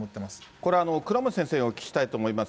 これ、倉持先生にお聞きしたいと思います。